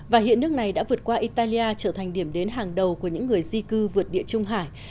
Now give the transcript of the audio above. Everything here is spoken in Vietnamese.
và hiện nước này đã vượt qua italia trở thành điểm đến hàng đầu của những người di cư vượt địa trung hải